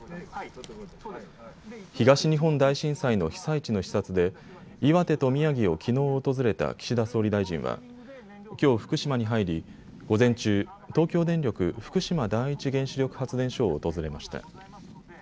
東日本大震災の被災地の視察で岩手と宮城をきのう訪れた岸田総理大臣はきょう福島に入り、午前中、東京電力福島第一原子力発電所を訪れました。